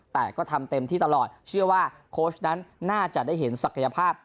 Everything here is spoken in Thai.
แต่ก็ทำเต็มที่ตลอดเชื่อว่าโค้ชนั้นน่าจะได้เห็นศักยภาพ